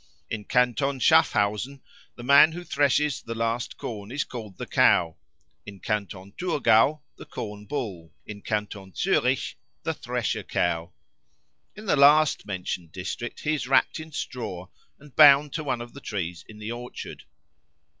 In Canton Schaffhausen the man who threshes the last corn is called the Cow; in Canton Thurgau, the Corn bull; in Canton Zurich, the Thresher cow. In the last mentioned district he is wrapt in straw and bound to one of the trees in the orchard.